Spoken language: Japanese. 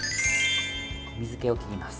水けを切ります。